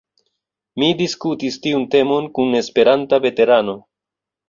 Mi diskutis tiun temon kun Esperanta veterano.